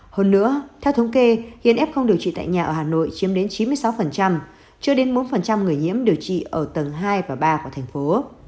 hơn nữa theo thống kê hiện f điều trị tại nhà ở hà nội chiếm đến chín mươi sáu chưa đến bốn người nhiễm điều trị ở tầng hai và ba của thành phố